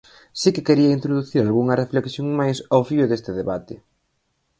Si que quería introducir algunha reflexión máis ao fío deste debate.